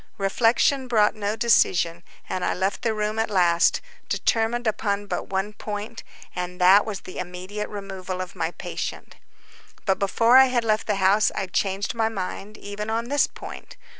Reflection brought no decision, and I left the room at last, determined upon but one point, and that was the immediate removal of my patient. But before I had left the house I changed my mind even on this point.